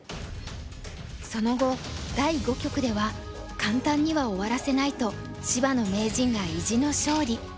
その後第五局では「簡単には終わらせない」と芝野名人が意地の勝利。